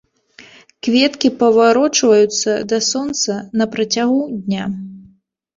Кветкі паварочваюцца да сонца на працягу дня.